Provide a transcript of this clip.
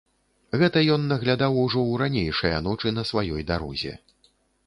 Гэта ён наглядаў ужо ў ранейшыя ночы на сваёй дарозе.